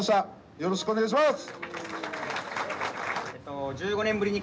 よろしくお願いします。